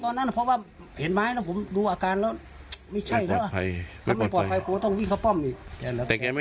ตอนนั้นเพราะว่าเห็นไม้เนี่ยผมดูอาการแล้วไม่ใช่แล้ว